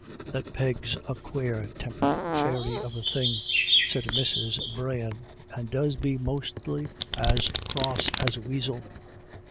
" That Peg's a quare tempered fairy of a thing," said Mrs. Brian, " and does be mostly as cross as a weasel."